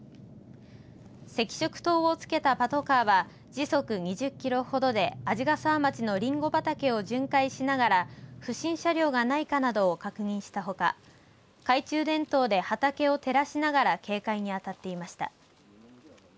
赤色灯をつけたパトカーは時速２０キロほどで鰺ヶ沢町のりんご畑を巡回しながら不審車両がないかなどを確認したほか懐中電灯で畑を照らしながら警戒に当たっていました。